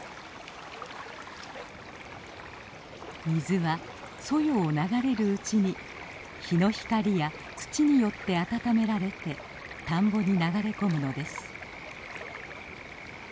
水はそよを流れるうちに日の光や土によってあたためられて田んぼに流れ込むのです。